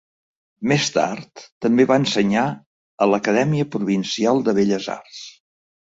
Més tard, també va ensenyar a l'Acadèmia Provincial de Belles Arts.